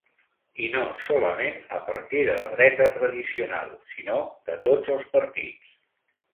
I no solament a partir de la dreta tradicional, sinó de tots els partits.